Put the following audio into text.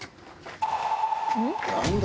何だ？